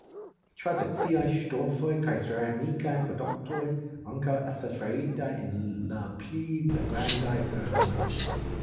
Tradiciaj ŝtofoj kaj ceramikaj produktoj ankaŭ estas faritaj en la pli grandaj urboj.